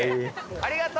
ありがとう！